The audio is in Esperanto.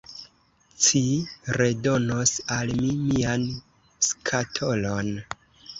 Ci redonos al mi mian skatolon.